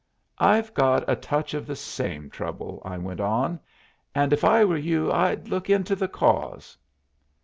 "I've got a touch of the same trouble," I went on; "and, if I were you, I'd look into the cause."